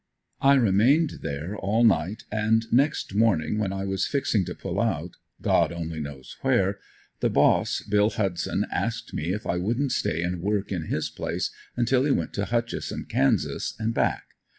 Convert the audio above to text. I remained there all night and next morning when I was fixing to pull out God only knows where, the boss, Bill Hudson, asked me if I wouldn't stay and work in his place until he went to Hutchison, Kansas and back?